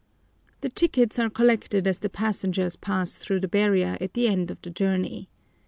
The tickets are collected as the passengers pass through the barrier at the end of the journey.